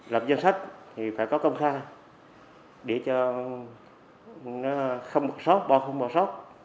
lập dân sách thì phải có công khai để cho nó không bọt sót